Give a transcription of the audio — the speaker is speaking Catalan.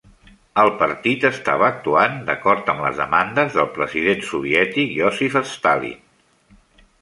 El partit estava actuant d'acord amb les demandes del president soviètic Iósif Stalin.